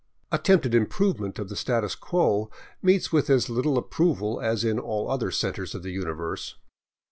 Attempted improvement of the status quo meets with as Httle ap proval as in all other centers of the universe.